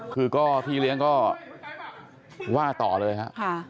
คือก็พี่เลี้ยงก็ว่าต่อเลยครับ